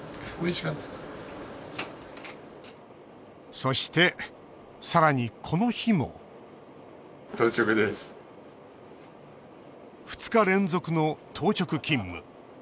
そして、さらに、この日も２日連続の当直勤務。